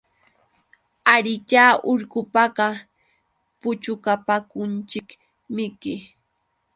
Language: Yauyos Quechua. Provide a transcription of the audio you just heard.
Ariyá urqupaqa puchukapakunchikmiki.